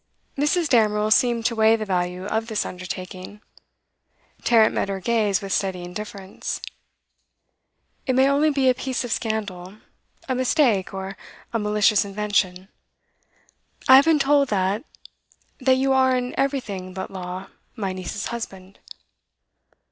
Mrs. Damerel seemed to weigh the value of this undertaking. Tarrant met her gaze with steady indifference. 'It may only be a piece of scandal, a mistake, or a malicious invention. I have been told that that you are in everything but law my niece's husband.